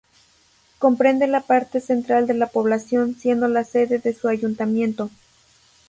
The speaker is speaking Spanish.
Comprende la parte central de la Población, siendo la sede de su ayuntamiento.